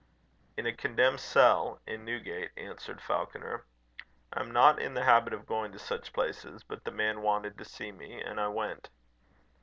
"In a condemned cell in Newgate," answered Falconer. "I am not in the habit of going to such places, but the man wanted to see me, and I went."